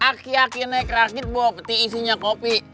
aki aki yang naik rakit bo berarti isinya kopi